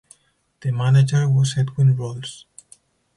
The manager was Edwin Ralls.